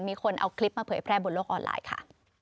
มีคนเอาคลิปมาเผยแพร่บนโลกออนไลน์ค่ะ